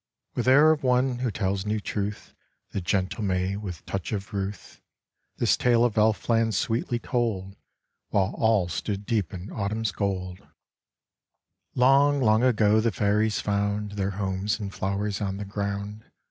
With air of one who tells new truth, The gentle May, with touch of ruth, This tale of Elfland sweetly told, While all stood deep in autumn's gold: "Long, long ago the fairies found Their homes in flowers on the ground.